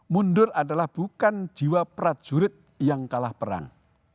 mundur adalah bukan jiwa prajurit yang kalah perang